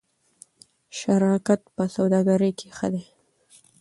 شراکت په سوداګرۍ کې ښه دی.